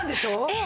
ええ。